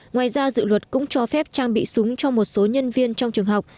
ngoài ra dự luật cũng cho phép trang bị súng cho một số nhân viên trong trường học